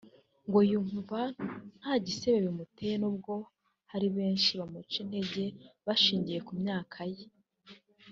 ngo yumva nta gisebo bimuteye n’ubwo hari benshi bamuca integer bashingiye ku myaka ye